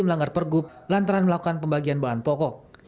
melanggar pergub lantaran melakukan pembagian bahan pokok